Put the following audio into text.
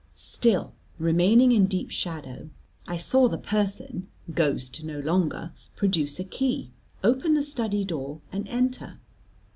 Still remaining in deep shadow, I saw the person ghost no longer produce a key, open the study door and enter.